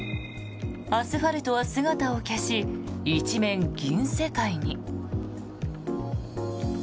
アスファルトは姿を消し一面、銀世界に。